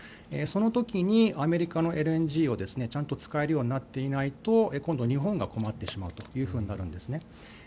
その時にアメリカのＬＮＧをちゃんと使えるようになっていないと今度、日本が困ってしまうということになるんですね。